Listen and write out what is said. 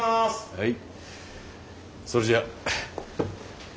はい。